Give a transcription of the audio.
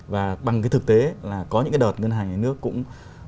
và bằng cái thực tế là có những cái đợt ngân hàng nhà nước cũng